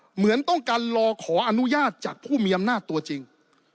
เหมือนต้องการรอขออนุญาตจากผู้มีอำนาจตัวจริง